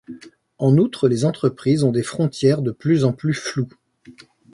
En outre les entreprises ont des frontières de plus en plus floues.